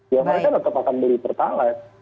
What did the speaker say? ya mereka tetap akan beli pertalite